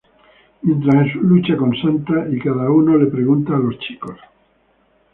Mientras Jesús lucha con Santa, y cada uno le pregunta a los chicos.